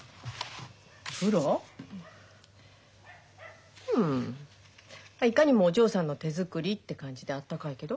プロ？んいかにもお嬢さんの手作りって感じであったかいけど？